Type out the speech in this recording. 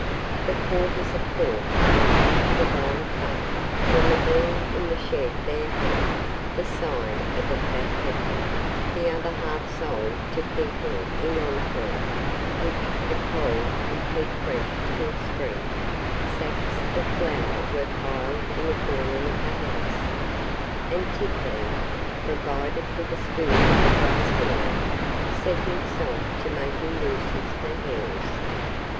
The quarters of pork went into the brine tub; from a beam in the shed there hung the side of a fat heifer the other half sold to people in Honfleur which the cold would keep fresh till spring; sacks of flour were piled in a corner of the house, and Tit'Bé, provided with a spool of brass wire, set himself to making nooses for hares.